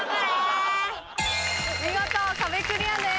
見事壁クリアです。